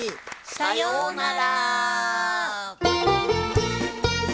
さようなら！